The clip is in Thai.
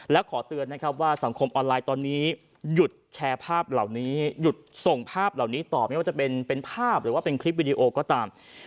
และขอเตือนนะครับว่าสังคมออนไลน์ตอนนี้หยุดแชร์ภาพเหล่านี้หยุดส่งภาพเหล่านี้ต่อไม่ว่าจะเป็นภาพหรือว่าเป็นคลิปวิดีโอก็ตาม